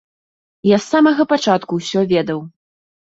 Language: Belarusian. Я з самага пачатку ўсё ведаў.